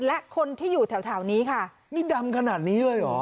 และคนที่อยู่แถวแถวนี้ค่ะนี่ดำขนาดนี้เลยเหรอ